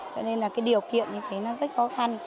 cho nên là cái điều kiện như thế nó rất khó khăn